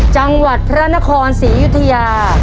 จังหวัดพระนครศรีอยุธยา